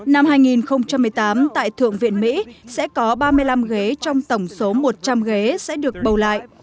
năm hai nghìn một mươi tám tại thượng viện mỹ sẽ có ba mươi năm ghế trong tổng số một trăm linh ghế sẽ được bầu lại